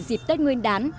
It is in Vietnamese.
dịp tết nguyên đán